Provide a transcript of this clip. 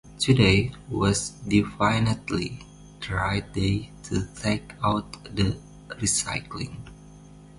Today was definitely the right day to take out the recycling.